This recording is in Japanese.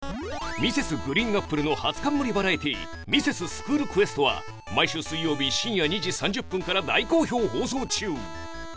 Ｍｒｓ．ＧＲＥＥＮＡＰＰＬＥ の初冠バラエティー『ミセススクールクエスト』は毎週水曜日深夜２時３０分から大好評放送中！